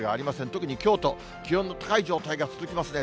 特に京都、気温の高い状態が続きますね。